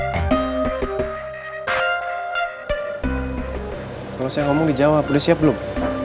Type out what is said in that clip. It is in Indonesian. kalau saya ngomong di jawa boleh siap belum